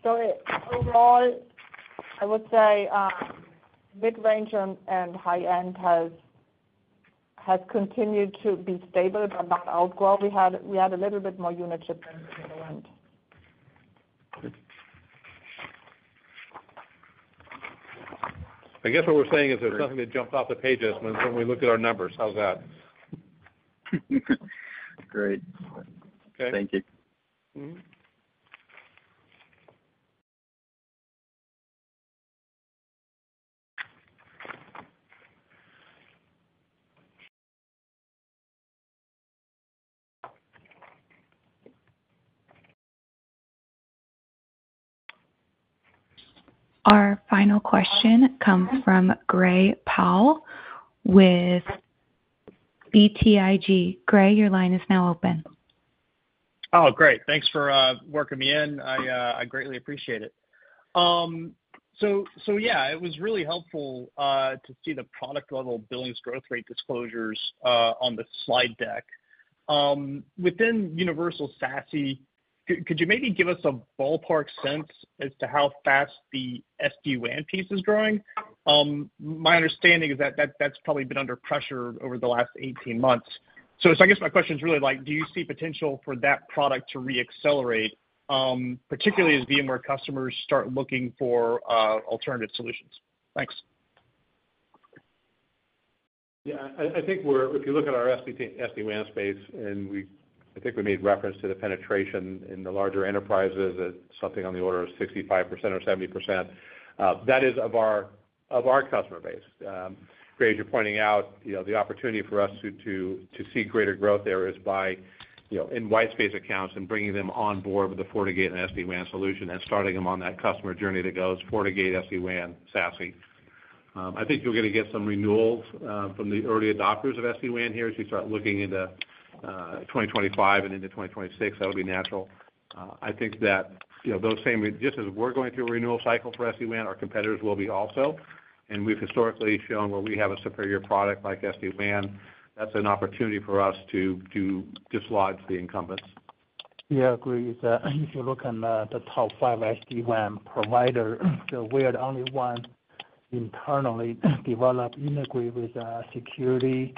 So overall, I would say mid-range and high-end has continued to be stable, but not outgrowth. We had a little bit more unit shipment in the end. I guess what we're saying is there's nothing that jumped off the pages when we look at our numbers. How's that? Great. Thank you. Okay. Our final question comes from Gray Powell with BTIG. Gray, your line is now open. Oh, great. Thanks for working me in. I greatly appreciate it. So yeah, it was really helpful to see the product-level billings growth rate disclosures on the slide deck. Within Universal SASE, could you maybe give us a ballpark sense as to how fast the SD-WAN piece is growing? My understanding is that that's probably been under pressure over the last 18 months. So I guess my question is really like, do you see potential for that product to re-accelerate, particularly as VMware customers start looking for alternative solutions? Thanks. Yeah. I think if you look at our SD-WAN space, and I think we made reference to the penetration in the larger enterprises at something on the order of 65% or 70%, that is of our customer base. Gray, as you're pointing out, the opportunity for us to see greater growth there is by winning whitespace accounts and bringing them on board with the FortiGate and SD-WAN solution and starting them on that customer journey that goes FortiGate, SD-WAN, SASE. I think you're going to get some renewals from the early adopters of SD-WAN here as we start looking into 2025 and into 2026. That'll be natural. I think that those same, just as we're going through a renewal cycle for SD-WAN, our competitors will be also. We've historically shown where we have a superior product like SD-WAN, that's an opportunity for us to dislodge the incumbents. Yeah. I agree. If you look on the top five SD-WAN providers, we are the only one internally developed integrated with security,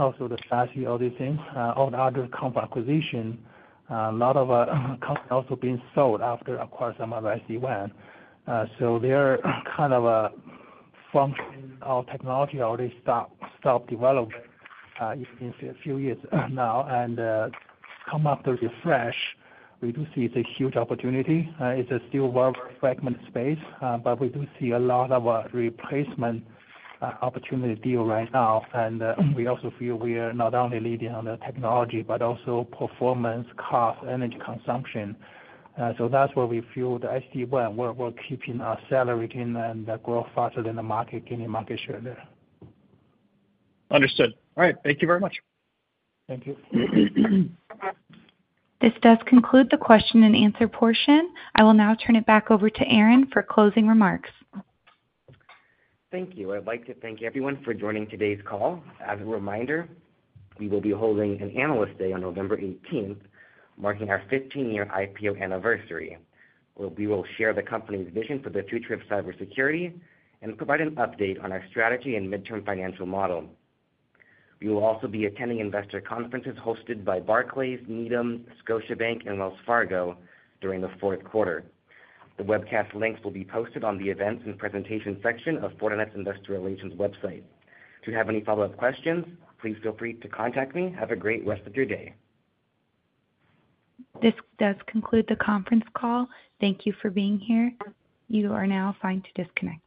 also the SASE, all these things. All the other comp acquisition, a lot of companies also being sold after acquiring some of the SD-WAN. So their kind of function or technology already stopped developing in a few years now. Come after refresh, we do see it's a huge opportunity. It's a still very fragmented space, but we do see a lot of replacement opportunity deal right now and we also feel we are not only leading on the technology, but also performance, cost, energy consumption. So that's where we feel the SD-WAN will keep accelerating and grow faster than the market, gaining market share there. Understood. All right. Thank you very much. Thank you. This does conclude the question and answer portion. I will now turn it back over to Aaron for closing remarks. Thank you. I'd like to thank everyone for joining today's call. As a reminder, we will be holding an Analyst Day on November 18th, marking our 15-year IPO anniversary, where we will share the company's vision for the future of cybersecurity and provide an update on our strategy and midterm financial model. We will also be attending investor conferences hosted by Barclays, Needham, Scotiabank, and Wells Fargo during the fourth quarter. The webcast links will be posted on the events and presentation section of Fortinet's investor relations website. If you have any follow-up questions, please feel free to contact me. Have a great rest of your day. This does conclude the conference call. Thank you for being here. You are now free to disconnect.